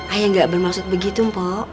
ayah gak bermaksud begitu mpok